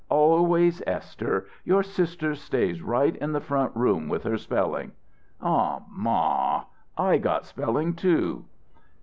"Always Esther! Your sister stays right in the front room with her spelling." "Aw, ma; I got spelling, too."